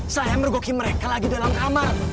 saya mergoki mereka lagi dalam kamar